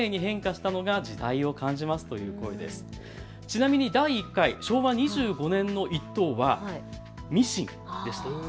ちなみに第１回、昭和２５年の第１等はミシンでした。